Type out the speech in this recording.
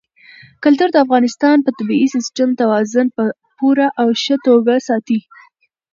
کلتور د افغانستان د طبعي سیسټم توازن په پوره او ښه توګه ساتي.